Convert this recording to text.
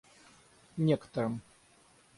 некоторым